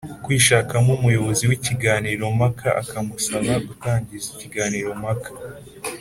kwishakamo umuyobozi w’ikiganiro mpaka akamusaba gutangiza ikiganiro mpaka